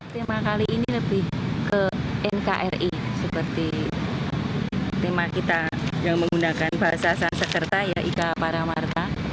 tema kali ini lebih ke nkri seperti tema kita yang menggunakan bahasa sansekerta ya ika paramarta